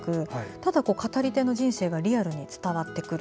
ただ、語り手の人生がリアルに伝わってくる。